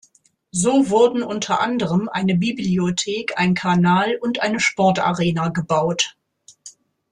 So wurden unter anderem eine Bibliothek, ein Kanal und eine Sportarena gebaut.